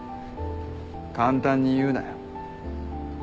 簡単に言うなよ。